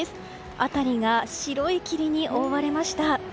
辺りが白い霧に覆われました。